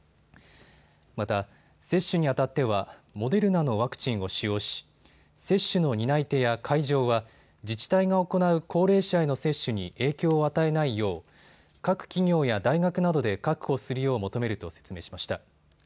また、接種にあたってはモデルナのワクチンを使用し接種の担い手や会場は自治体が行う高齢者への接種に影響を与えないよう各企業や大学などで確保するよう求めると説明しました。